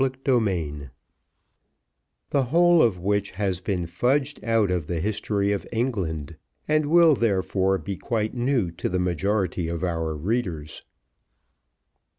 Chapter XVIII The whole of which has been fudged out of the History of England, and will therefore be quite new to the majority of our readers.